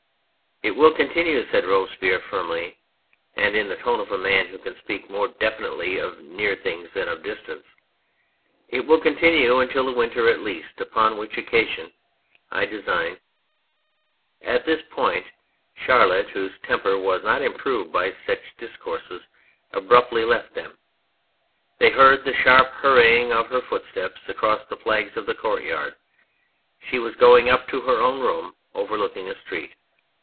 " It will continue," said Robespierre firmly, and in the tone of a man who can speak more definitely of near things than of distant, " it will continue until the winter at least, upon which occasion I design ..." At this point Charlotte, whose temper was not improved by such discourses, abruptly left them. They heard the sharp hurrying of her footsteps cross the flags of the courtyard ; she was going up to her own room overlooking the street.